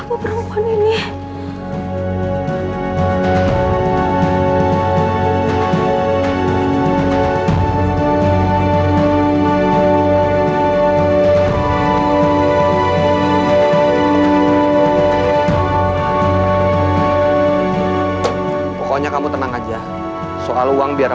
pak pak pondiman kerja lagi ya